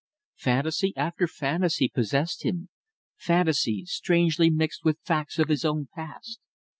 Fantasy after fantasy possessed him fantasy, strangely mixed with facts of his own past.